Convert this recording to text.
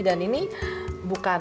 dan ini bukan